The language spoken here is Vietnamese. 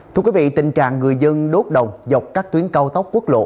thưa quý vị tình trạng người dân đốt đồng dọc các tuyến cao tốc quốc lộ